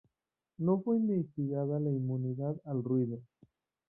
No fue investigada la inmunidad al ruido.